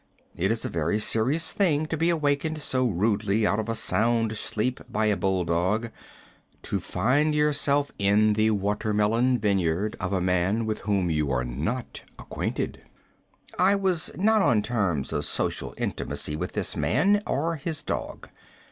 It is a very serious thing to be awakened so rudely out of a sound sleep, by a bull dog, to find yourself in the watermelon vineyard of a man with whom you are not acquainted. I was not on terms of social intimacy with this man or his dog.